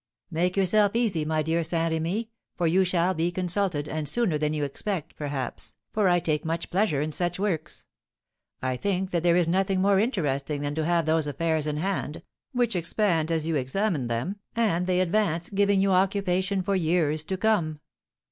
"Make yourself easy, my dear Saint Remy, for you shall be consulted, and sooner than you expect, perhaps, for I take much pleasure in such works. I think that there is nothing more interesting than to have those affairs in hand, which expand as you examine them, and they advance, giving you occupation for years to come.